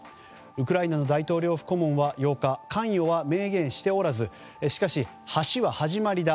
ウクライナの大統領府顧問は８日、関与は明言しておらずしかし、橋は始まりだ。